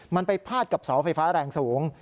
มันไปพาดกับเสาไฟฟ้าแรงสูง